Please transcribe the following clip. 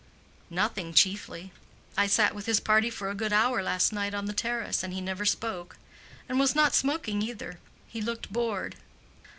"Nothing, chiefly. I sat with his party for a good hour last night on the terrace, and he never spoke—and was not smoking either. He looked bored."